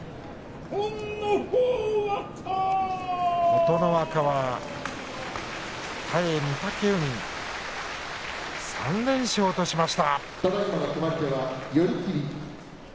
琴ノ若は対御嶽海３連勝としました。